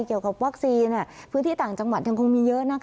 เกี่ยวกับวัคซีนพื้นที่ต่างจังหวัดยังคงมีเยอะ